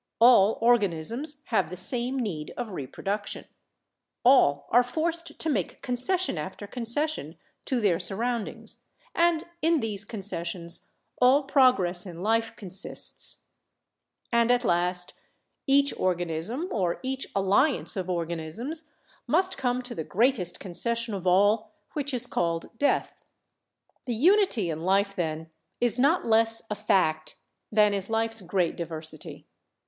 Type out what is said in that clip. All organisms have the same need of reproduction. All are 138 EVIDENCES OF ORGANIC DESCENT 139 forced to make concession after concession to their sur roundings, and in these concessions all progress in life consists. And at last each organism or each alliance of organisms must come to the greatest concession of all, which is called death. The unity in life, then, is not less a fact than is life's great diversity.